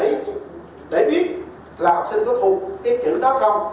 chỉ để biết là học sinh có thuộc cái chữ đó không